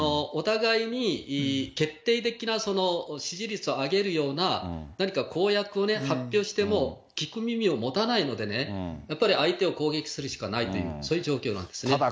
お互いに決定的な支持率を上げるような、何か公約を発表しても聞く耳を持たないのでね、やっぱり相手を攻撃するしかないという、そういう状況なんですね。